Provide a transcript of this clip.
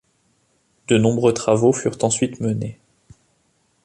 De nombreux travaux furent ensuite menés.